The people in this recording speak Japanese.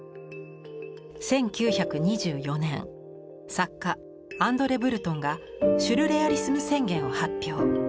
１９２４年作家アンドレ・ブルトンが「シュルレアリスム宣言」を発表。